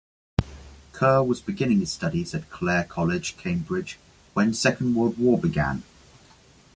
Kerr was beginning his studies at Clare College, Cambridge when Second World War began.